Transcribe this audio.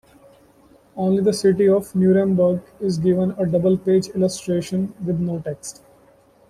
Only the city of Nuremberg is given a double-page illustration with no text.